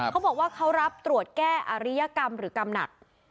เขาบอกว่าเขารับตรวจแก้อริยกรรมหรือกำหนัก